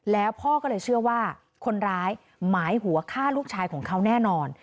แล้วพ่อก็เลยเชื่อว่าคนร้ายหมายหัวฆ่าลูกชายของเขาแน่นอน